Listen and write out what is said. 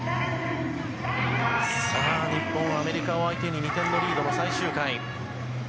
日本、アメリカを相手に２点リードの最終回。